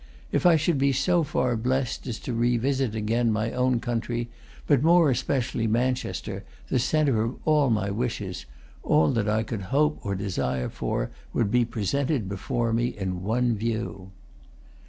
If I should be so far blest as to revisit again my own country, but more especially Manchester, the centre of all my wishes, all that I could hope or desire for would be presented before me in one view."